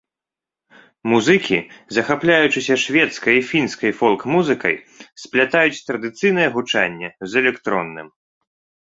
Музыкі, захапляючыся шведскай і фінскай фолк-музыкай, сплятаюць традыцыйнае гучанне з электронным.